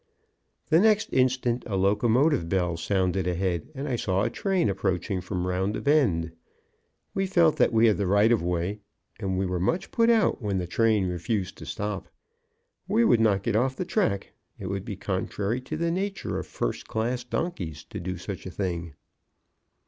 The next instant a locomotive bell sounded ahead, and I saw a train approaching from round a bend. We felt that we had the right of way, and were much put out when the train refused to stop. We would not get off the track; it would be contrary to the nature of first class donkeys to do such a thing.